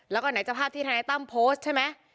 แล้วก็ไหนจะภาพที่ธนายตั้มโพสต์ใช่ไหม